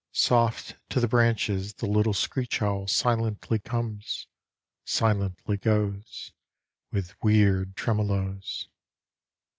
Soft to the branches The little screech owl Silently comes, Silently goes, With weird tremolos.